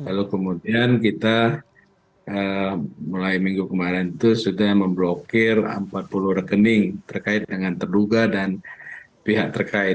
lalu kemudian kita mulai minggu kemarin itu sudah memblokir empat puluh rekening terkait dengan terduga dan pihak terkait